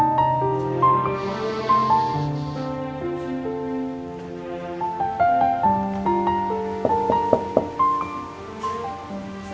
andin masih di kamar